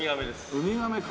ウミガメか。